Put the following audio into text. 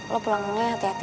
lo pulang dulu ya hati hati